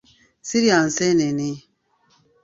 Sirya nseenene.